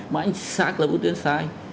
mà anh xác lập ưu tiên sai